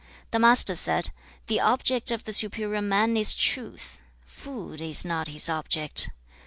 The Master said, 'The object of the superior man is truth. Food is not his object.